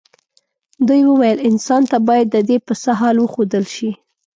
دوی وویل انسان ته باید ددې پسه حال وښودل شي.